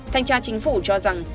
thanh tra chính phủ cho rằng